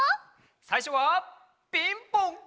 さいしょは「ピンポン」！